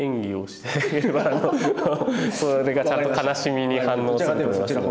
それがちゃんと悲しみに反応すると。